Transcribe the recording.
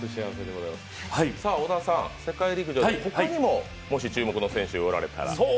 世界陸上で他にも注目の選手がおられたら。